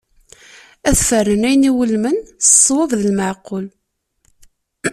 Ad fernen ayen i iwulmen maca s ṣṣwad d lmeɛqul.